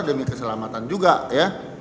demi keselamatan juga ya